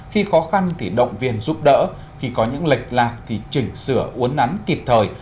khi khó khăn thì động viên giúp đỡ khi có những lệch lạc thì chỉnh sửa uốn nắn kịp thời